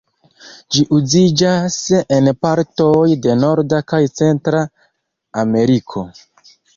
Ĝi uziĝas en partoj de Norda kaj Centra Ameriko.